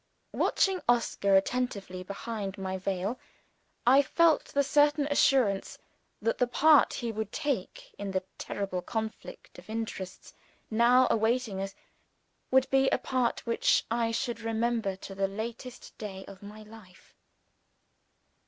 Watching Oscar attentively behind my veil, I felt the certain assurance that the part he would take in the terrible conflict of interests now awaiting us, would be a part which I should remember to the latest day of my life.